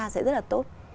sẽ rất là tốt